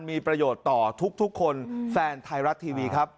มีประโยชน์ต่อทุกคนแฟนไทยรัฐทีวีครับ